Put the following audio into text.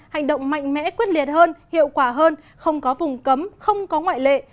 hành động mạnh mẽ quyết liệt hơn hiệu quả hơn không có vùng cấm không có ngoại lệ